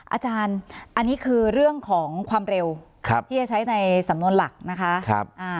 อาจารย์อันนี้คือเรื่องของความเร็วที่จะใช้ในสำนวนหลักนะคะ